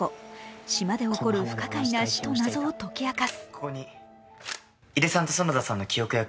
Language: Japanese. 島で起こる不可解な死と謎を解き明かす。